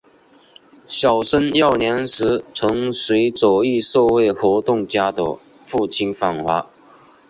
小森幼年时曾随左翼社会活动家的父亲访华。